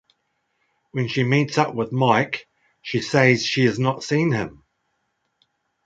When she meets up with Mike, she says she has not seen him.